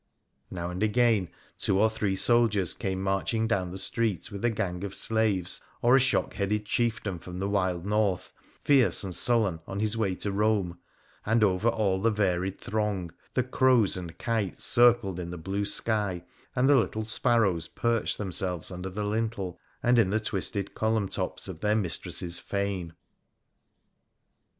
Now and again two or three soldiers came marching down the street with a gang of slaves, or a shock headed chieftain from the wild north, fierce and sullen, on hia way to Eome ; and over all the varied throng the crows and kites circled in the blue sky, and the little sparrows perched themselves under the lintel and in the twisted column tops of their mistress's fane.